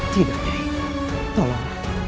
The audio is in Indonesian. tidak nyai tolonglah